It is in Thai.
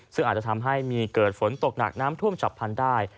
ซึ่งอาจจะทำให้มีเกิดฝนตกหนักน้ำท่วมฉับพันธุ์ได้